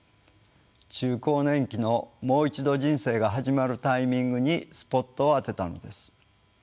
中高年期の「もう一度人生が始まるタイミング」にスポットを当てたのです。